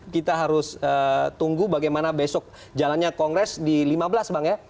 kita harus tunggu bagaimana besok jalannya kongres di lima belas bang ya